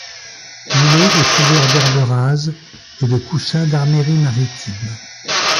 L'îlot est couvert d'herbe rase et de coussins d'arméries maritimes.